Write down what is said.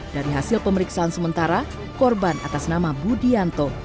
dari hasil pemeriksaan sementara korban atas nama budianto